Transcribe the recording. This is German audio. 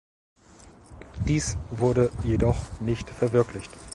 Dies wurde jedoch nicht verwirklicht.